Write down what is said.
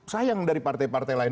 sayang dari partai partai lain